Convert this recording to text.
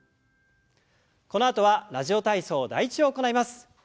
このあとは「ラジオ体操第１」を行います。